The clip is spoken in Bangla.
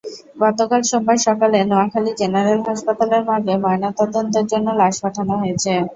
গতকাল সোমবার সকালে নোয়াখালী জেনারেল হাসপাতালের মর্গে ময়নাতদন্তের জন্য লাশ পাঠানো হয়েছে।